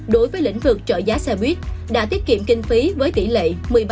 đối với lĩnh vực trợ giá xe buýt đã tiết kiệm kinh phí với tỷ lệ một mươi ba